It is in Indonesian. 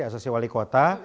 asesi wali kota